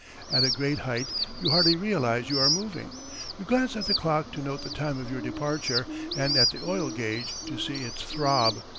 At a great height you hardly realize you are moving. You glance at the clock to note the time of your departure, and at the oil gauge to see its throb.